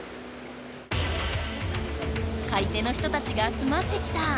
買い手の人たちがあつまってきた。